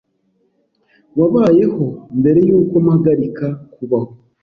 Wabayeho mbere yuko mpagarika kubaho